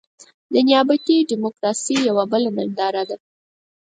د نيابتي ډيموکراسۍ يوه بله ننداره.